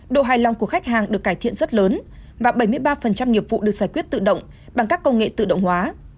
độ hài lòng của khách hàng được cải thiện rất lớn và bảy mươi ba nghiệp vụ được giải quyết tự động bằng các công nghệ tự động hóa